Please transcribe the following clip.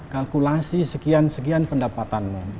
kalkulasi sekian sekian pendapatanmu